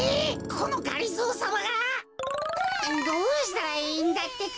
このがりぞーさまが！？どうしたらいいんだってか。